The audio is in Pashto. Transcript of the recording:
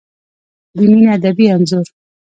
د مینې ادبي انځور